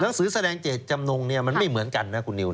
หนังสือแสดงเจตจำนงมันไม่เหมือนกันนะคุณนิว